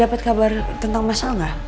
dapat kabar tentang masalah